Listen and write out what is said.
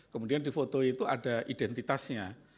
kemudian di foto itu ada identitasnya